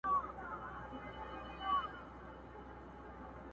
یوه ورځ به ورته ګورو چي پاچا به مو افغان وي!!